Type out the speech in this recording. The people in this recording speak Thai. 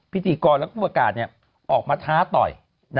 พิธีกรและผู้ประกาศออกมาท้าต่อย